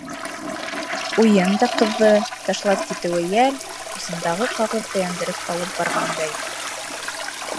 Уйын да ҡыҙҙы - ташлап китеүе йәл, усындағы ҡағыҙ ҙа яндырып алып барғандай.